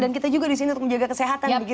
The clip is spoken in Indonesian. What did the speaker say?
dan kita juga disini untuk menjaga kesehatan